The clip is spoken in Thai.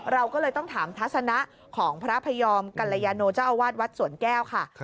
เราก็เลยต้องถามทัศนะของพระพยอมกัลยาโนเจ้าอาวาสวัดสวนแก้วค่ะ